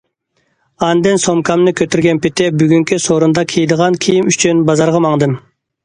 ئاندىن سومكامنى كۆتۈرگەن پېتى بۈگۈنكى سورۇندا كىيىدىغان كىيىم ئۈچۈن بازارغا ماڭدىم.